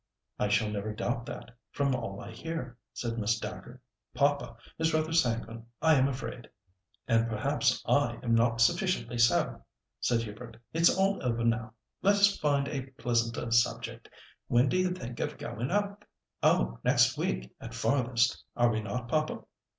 "I shall never doubt that, from all I hear," said Miss Dacre. "Papa is rather sanguine, I am afraid." "And perhaps I am not sufficiently so," said Hubert; "It's all over now. Let us find a pleasanter subject. When do you think of going up?" "Oh! next week at farthest. Are we not, papa?"